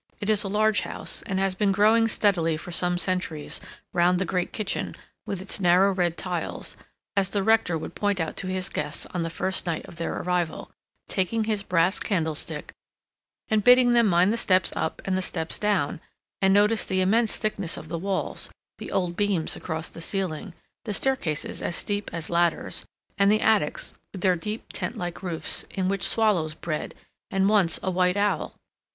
It is a large house, and has been growing steadily for some centuries round the great kitchen, with its narrow red tiles, as the Rector would point out to his guests on the first night of their arrival, taking his brass candlestick, and bidding them mind the steps up and the steps down, and notice the immense thickness of the walls, the old beams across the ceiling, the staircases as steep as ladders, and the attics, with their deep, tent like roofs, in which swallows bred, and once a white owl.